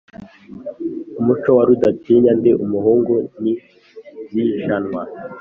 Mucyo wa Rudatinya, ndi umuhungu ntibyijanwa.